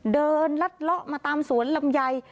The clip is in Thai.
ลัดเลาะมาตามสวนลำไย